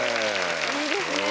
いいですね。